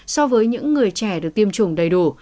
so với những người trẻ được tiêm chủng đầy đủ